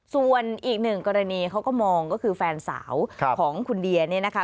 ส่วนอีกหนึ่งกรณีเขาก็มองก็คือแฟนสาวของคุณเดียเนี่ยนะคะ